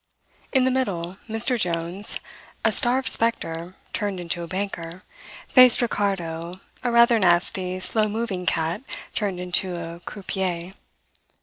In the middle, Mr. Jones, a starved spectre turned into a banker, faced Ricardo, a rather nasty, slow moving cat turned into a croupier.